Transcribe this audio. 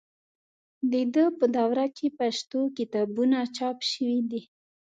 د ده په دوره کې پښتو کتابونه چاپ شوي دي.